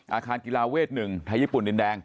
อาคารกีฬาเวท๑ไทยญี่ปุ่นดินแดง